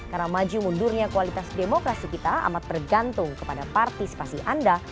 karena maju mundurnya kualitas demokrasi kita amat tergantung kepada partisipasi anda